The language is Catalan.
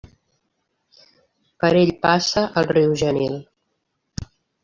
Per ell passa el riu Genil.